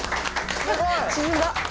すごい！沈んだ。